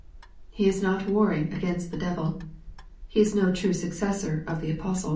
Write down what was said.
He is not warring against the devil. He is no true successor of the apostles.